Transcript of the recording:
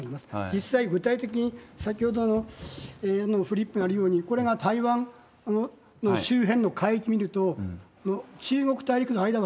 実際、具体的に先ほどのフリップにあるように、これが台湾の周辺の海域見ると、なるほど。